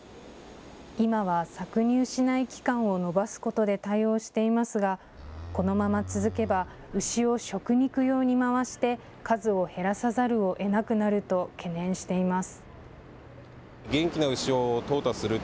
今は搾乳しない期間を延ばすことで対応していますがこのまま続けば牛を食肉用に回して数を減らさざるをえなくなると懸念しています。